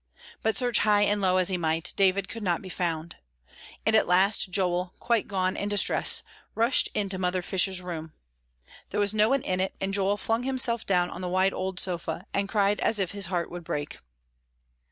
But search high and low as he might, David could not be found. And at last Joel, quite gone in distress, rushed into Mother Fisher's room. There was no one in it, and Joel flung himself down on the wide old sofa, and cried as if his heart would break.